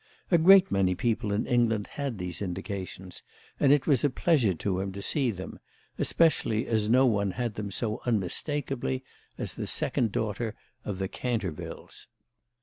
A great many people in England had these indications, and it was a pleasure to him to see them, especially as no one had them so unmistakably as the second daughter of the Cantervilles.